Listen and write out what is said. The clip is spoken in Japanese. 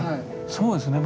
そうですね。